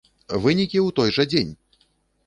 Вынікі ў той жа дзень!